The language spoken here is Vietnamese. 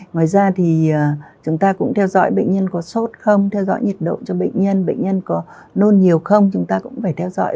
ngoài ra thì chúng ta cũng theo dõi bệnh nhân có sốt không theo dõi nhiệt độ cho bệnh nhân bệnh nhân có nôn nhiều không chúng ta cũng phải theo dõi